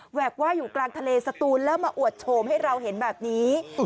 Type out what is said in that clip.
กว่าอยู่กลางทะเลสตูนแล้วมาอวดโฉมให้เราเห็นแบบนี้